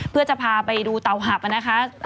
เพื่อจะพาไปดูเตาหับนะคะ